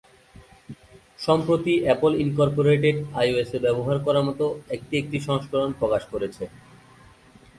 সম্প্রতি Apple Incorporated iOS এ ব্যবহার করার মত একটি একটি সংস্করণ প্রকাশ করেছে।